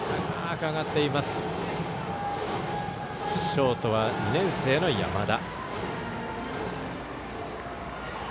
ショートは２年生の山田。